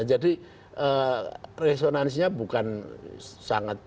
jadi resonansinya bukan sangat